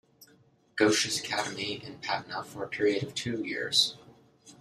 Ghosh's Academy in Patna for a period of two years.